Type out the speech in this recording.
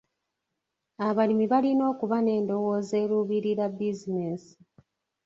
Abalimi balina okuba n'endowooza eruubirira bizinensi.